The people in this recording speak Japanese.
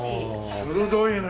鋭いね。